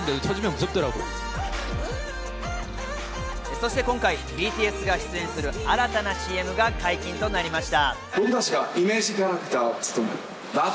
そして今回、ＢＴＳが出演する新たなＣＭが解禁となりました。